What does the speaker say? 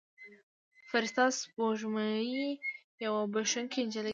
فرشته سپوږمۍ یوه بښونکې نجلۍ ده.